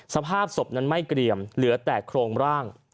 สภาพศพนั้นไม่เกรียมเหลือแต่โครงร่าง